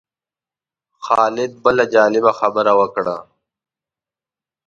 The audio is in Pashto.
خالد بله جالبه خبره وکړه.